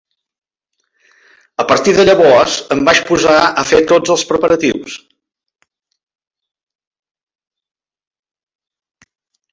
A partir de llavors, em vaig posar a fer tots els preparatius.